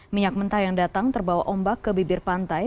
minyak mentah yang datang terbawa ombak ke bibir pantai